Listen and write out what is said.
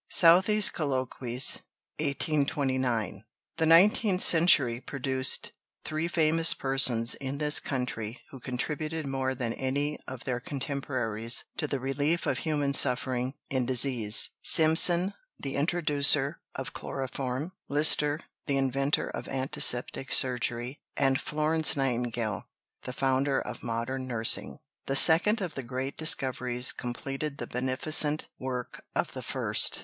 SOUTHEY'S Colloquies (1829). The nineteenth century produced three famous persons in this country who contributed more than any of their contemporaries to the relief of human suffering in disease: Simpson, the introducer of chloroform; Lister, the inventor of antiseptic surgery; and Florence Nightingale, the founder of modern nursing. The second of the great discoveries completed the beneficent work of the first.